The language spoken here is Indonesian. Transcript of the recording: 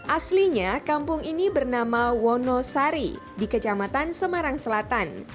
aslinya kampung ini bernama wonosari di kecamatan semarang selatan